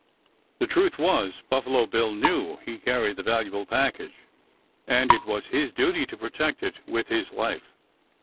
The truth was Buffalo Bill knew he carried the valuable package and it was his duty to protect it with his life.